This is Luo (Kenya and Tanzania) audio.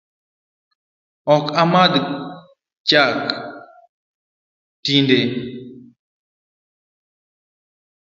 Ok amadh cha chak tinde